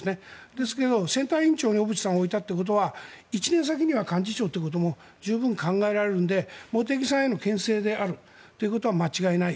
だけど選対委員長に小渕さんを置いたということは１年先には幹事長ということも十分考えられるので茂木さんへのけん制は間違いない。